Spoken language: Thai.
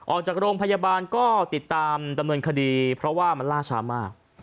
ออกจากโรงพยาบาลก็ติดตามดำเนินคดีเพราะว่ามันล่าช้ามาก